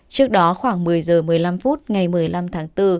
trước đó khoảng một mươi h một mươi năm phút ngày một mươi năm tháng bốn